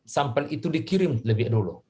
sampel itu dikirim lebih dulu